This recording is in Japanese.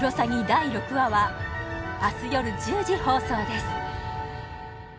第６話は明日夜１０時放送です